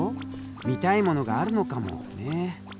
見たいものがあるのかもね。